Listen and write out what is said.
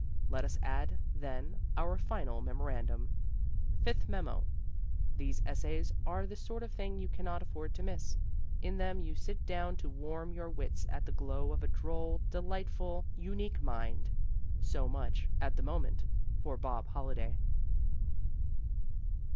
Let us add, then, our final memorandum: Fifth Memo These essays are the sort of thing you cannot afford to miss. In them you sit down to warm your wits at the glow of a droll, delightful, unique mind. So much (at the moment) for Bob Holliday.